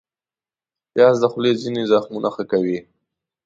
پیاز د خولې ځینې زخمونه ښه کوي